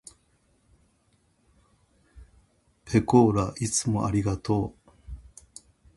ぺこーらいつもありがとう。